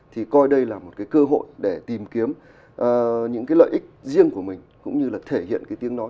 thì coi đây là một cái cơ hội để tìm kiếm những cái lợi ích riêng của mình cũng như là thể hiện cái tiếng nói